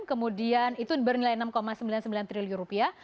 kemudian itu bernilai enam sembilan puluh sembilan triliun rupiah